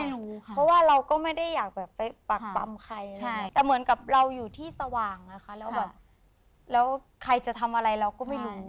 แล้วใครจะทำอะไรเราก็ไม่รู้